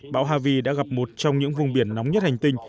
bão havi đã gặp một trong những vùng biển nóng nhất hành tinh